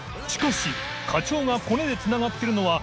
靴課長がコネでつながっているのは核